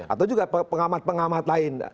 atau juga pengamat pengamat lain